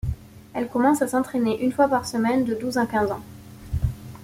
Elle commence à s'entraîner une fois par semaine de douze à quinze ans.